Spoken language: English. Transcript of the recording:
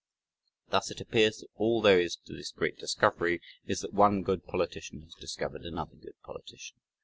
Thus it appears that all there is to this great discovery is that one good politician has discovered another good politician.